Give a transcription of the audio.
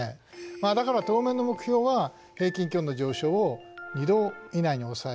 まあだから当面の目標は平均気温の上昇を２度以内に抑える。